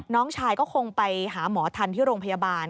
น้องชายก็คงไปหาหมอทันที่โรงพยาบาล